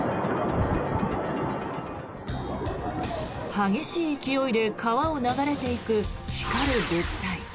激しい勢いで川を流れていく光る物体。